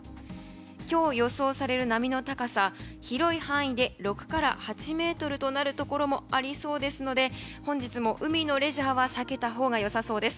今日予想される波の高さ広い範囲で６から８ｍとなるところもありそうですので本日も海のレジャーは避けたほうがよさそうです。